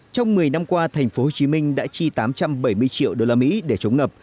trong một mươi năm qua tp hcm đã chi tám trăm bảy mươi triệu usd để chống ngập